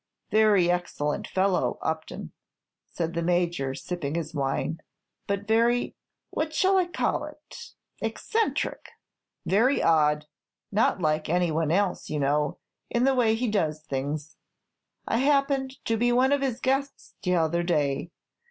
"Very excellent fellow, Upton," said the Major, sipping his wine, "but very what shall I call it? eccentric; very odd; not like any one else, you know, in the way he does things. I happened to be one of his guests t'other day.